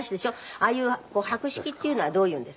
ああいう博識っていうのはどういうんですか？